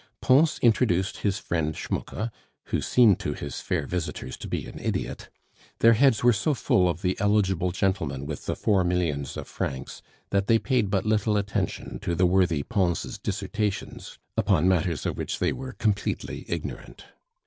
Pons introduced his friend Schmucke, who seemed to his fair visitors to be an idiot; their heads were so full of the eligible gentleman with the four millions of francs, that they paid but little attention to the worthy Pons' dissertations upon matters of which they were completely ignorant.